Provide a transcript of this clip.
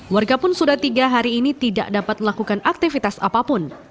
warga pun sudah tiga hari ini tidak dapat melakukan aktivitas apapun